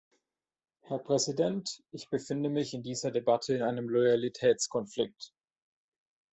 Herr Präsident, ich befinde mich in dieser Debatte in einem Loyalitätskonflikt.